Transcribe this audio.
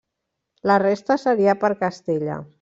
La resta seria per Castella.